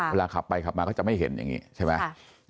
เวลาขับไปขับมาก็จะไม่เห็นอย่างนี้ใช่ไหม